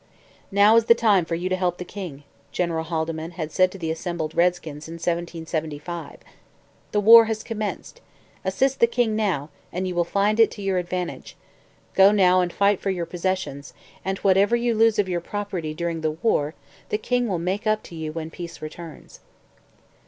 'Now is the time for you to help the King,' General Haldimand had said to the assembled redskins in 1775. 'The war has commenced. Assist the King now, and you will find it to your advantage. Go now and fight for your possessions, and, whatever you lose of your property during the war, the King will make up to you when peace returns.'